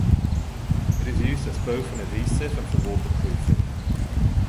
It is used as both an adhesive and for waterproofing.